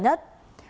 nơi gần nhất